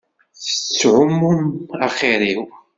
Tettɛummum axiṛ-iw.